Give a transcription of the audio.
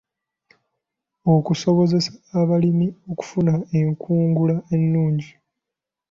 Okusobozesa abalimi okufuna enkungula ennungi.